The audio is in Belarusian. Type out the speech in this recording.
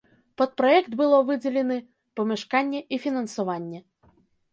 Пад праект было выдзелены памяшканні і фінансаванне.